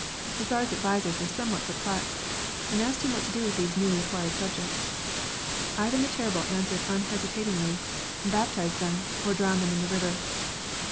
The Czar's advisers were somewhat perplexed and asked him what to do with these newly acquired subjects. Ivan the Terrible answered unhesitatingly: "Baptise them or drown them in the river."